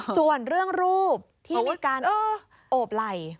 ส่วนเรื่องรูปที่มีการโอบไหล่